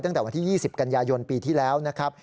ตั้งแต่วันที่๒๐กันยายนปีที่แล้วนะครับ